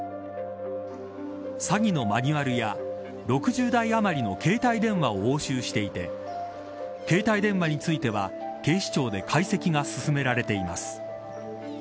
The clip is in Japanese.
詐欺のマニュアルや６０台余りの携帯電話を押収していて携帯電話については警視庁で解析が進められています。